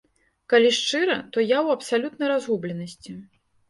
Калі шчыра, то я ў абсалютнай разгубленасці.